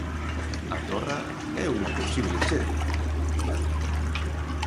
Andorra é unha posible sede.